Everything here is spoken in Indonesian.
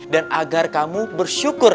dan agar kamu bersyukur